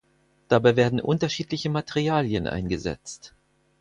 Dabei werden unterschiedliche Materialien eingesetzt.